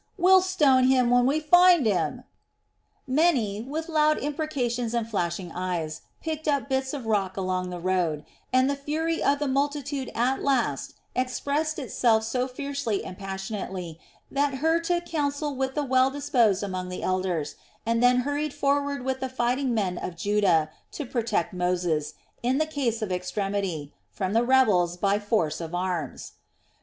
We'll stone him when we find him!" Many, with loud imprecations and flashing eyes, picked up bits of rock along the road, and the fury of the multitude at last expressed itself so fiercely and passionately that Hur took counsel with the well disposed among the elders, and then hurried forward with the fighting men of Judah to protect Moses, in case of extremity, from the rebels by force of arms.